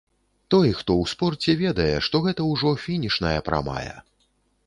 Той, хто ў спорце, ведае, што гэта ўжо фінішная прамая.